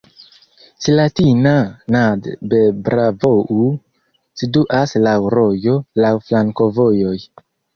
Slatina nad Bebravou situas laŭ rojo, laŭ flankovojoj.